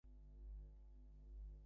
ঘরে কুমু আলো জ্বালায় নি।